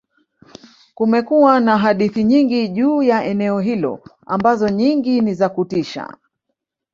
kumekuwa na hadithi nyingi juu ya eneo hilo ambazo nyingi ni za kutisha